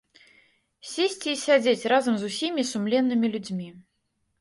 Сесці і сядзець разам з усімі сумленнымі людзьмі.